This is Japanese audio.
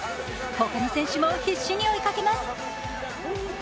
ほかの選手も必死に追いかけます。